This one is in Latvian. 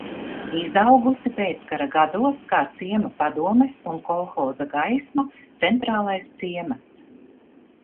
"Izaugusi pēckara gados kā ciema padomes un kolhoza "Gaisma" centrālais ciemats."